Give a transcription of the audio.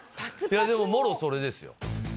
いやでももろそれですよ。